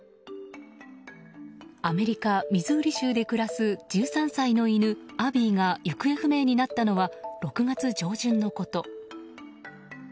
アメリカ・ミズーリ州で暮らす１３歳の犬、アビーが行方不明になったのは６月上旬のこと。